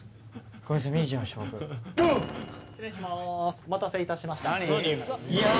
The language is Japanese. お待たせいたしました。